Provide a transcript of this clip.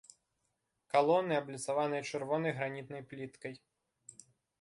Калоны абліцаваныя чырвонай гранітнай пліткай.